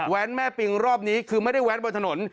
แม่ปิงรอบนี้คือไม่ได้แวะบนถนน